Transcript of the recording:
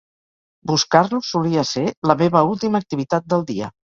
Buscar-lo solia ser la meva última activitat del dia.